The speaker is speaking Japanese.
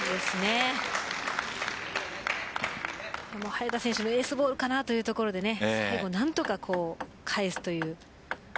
早田選手がエースボールかなというところで何とか返すという。